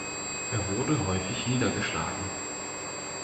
Er wurde häufig niedergeschlagen.